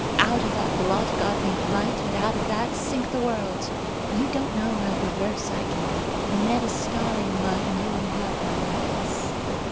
Out of that blot God made light, and out of that sink the world. You don't know how perverse I can be. Knead a star in mud, and you will have my likeness."